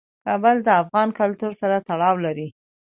کابل د افغان کلتور سره تړاو لري.